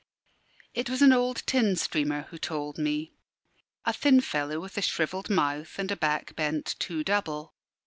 It was an old tin streamer who told me a thin fellow with a shrivelled mouth, and a back bent two double.